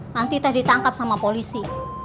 nanti teh ditangkap sama polisi